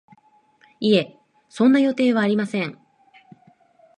いえ、そんな予定はありません